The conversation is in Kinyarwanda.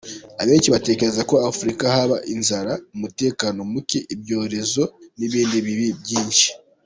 Abenshi batekereza ko Afurika haba inzara, umutekano muke, ibyorezo n’ibindi bibi byinshi.